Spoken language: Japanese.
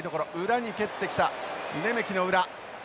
裏に蹴ってきたレメキの裏。